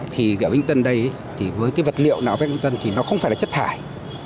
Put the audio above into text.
thì kiểu vĩnh tân đây với cái vật liệu nào về vĩnh tân thì nó không phải là chất thải